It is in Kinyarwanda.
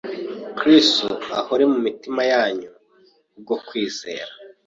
Kristo ahore mu mitima yanyu ku bwo kwizera,